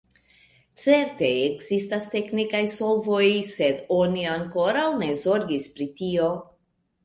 Certe ekzistas teknikaj solvoj, sed oni ankoraŭ ne zorgis pri tio.